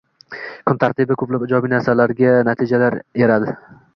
Kun tartibi ko‘plab ijobiy natijalar eradi.